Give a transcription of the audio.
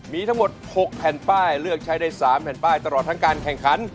มีทั้งหมด๖แผ่นป้ายเลือกใช้ได้๓แผ่นป้ายตลอดทั้งการแข่งขัน